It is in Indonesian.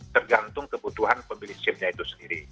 tergantung kebutuhan pembeli sim nya itu sendiri